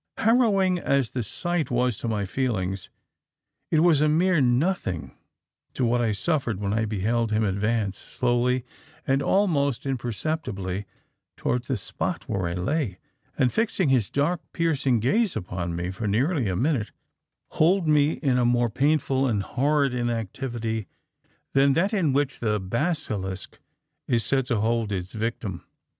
"Harrowing as the sight was to my feelings, it was a mere nothing to what I suffered when I beheld him advance, slowly and almost imperceptibly, towards the spot where I lay, and fixing his dark, piercing gaze upon me for nearly a minute, hold me in a more painful and horrid inactivity than that in which the basilisk is said to hold its victim.